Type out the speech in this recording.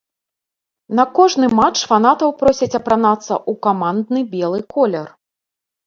На кожны матч фанатаў просяць апранацца ў камандны белы колер.